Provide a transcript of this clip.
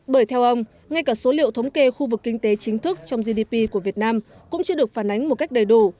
bởi theo ông ngay cả số liệu thống kê khu vực kinh tế chính thức trong gdp của việt nam cũng chưa được phản ánh một cách đầy đủ